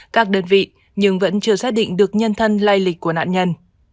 các đơn vị nhưng vẫn chưa xác định được nhân thân lai lịch của nạn nhân